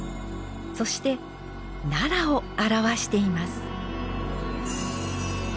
そして奈良を表しています。